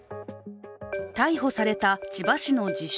逮捕された千葉市の自称